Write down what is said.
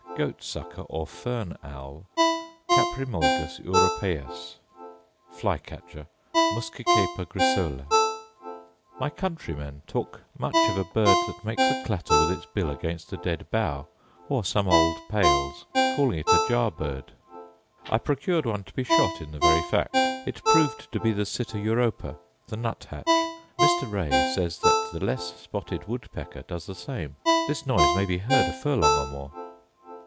_ Goat sucker, or fern owl, Caprimulgus europæus. Fly catcher, Muscicapa grisola. My countrymen talk much of a bird that makes a clatter with its bill against a dead bough, or some old pales, calling it a jar bird. I procured one to be shot in the very fact; it proved to be the sitta europaea (the nut hatch). Mr. Ray says that the less spotted woodpecker does the same. This noise may be heard a furlong or more.